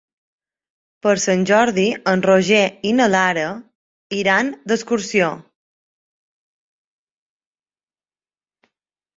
Per Sant Jordi en Roger i na Lara iran d'excursió.